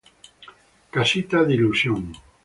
Casita De Ilusión